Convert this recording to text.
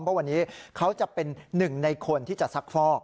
เพราะวันนี้เขาจะเป็นหนึ่งในคนที่จะซักฟอก